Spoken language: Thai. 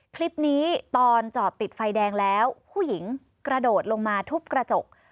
คลิปนี้ตอนจอดติดไฟแดงแล้วผู้หญิงกระโดดลงมาทุบกระจก